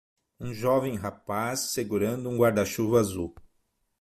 Um jovem rapaz segurando um guarda-chuva azul.